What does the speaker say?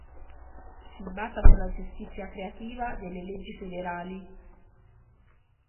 Si basa sulla giustizia creativa delle leggi federali.